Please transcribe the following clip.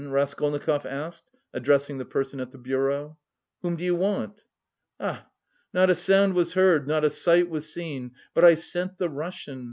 Raskolnikov asked, addressing the person at the bureau. "Whom do you want?" "A ah! Not a sound was heard, not a sight was seen, but I scent the Russian...